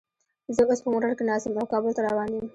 زه اوس په موټر کې ناست یم او کابل ته روان یم